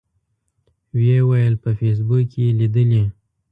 و یې ویل په فیسبوک کې یې لیدلي.